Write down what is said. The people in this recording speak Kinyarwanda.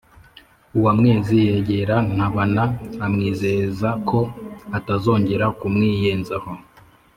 uwamwezi yegera ntabana amwizeza ko atazongera kumwiyenzaho